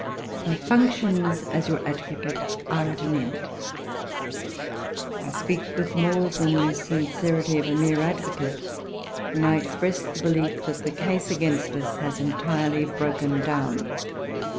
My functions as your advocate are at an end. I speak with more than the sincerity of a mere advocate when I express the belief that the case against us has entirely broken down.